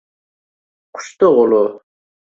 Quchdi g’ulu